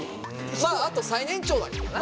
まああと最年長だからな。